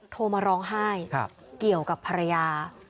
โทรมาร้องไห้เกี่ยวกับภรรยา